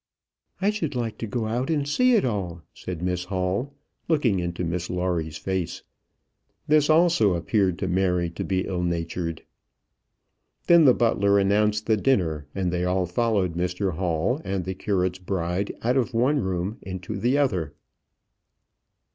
"I should like to go out and see it all," said Miss Hall, looking into Miss Lawrie's face. This also appeared to Mary to be ill natured. Then the butler announced the dinner, and they all followed Mr Hall and the curate's bride out of one room into the other.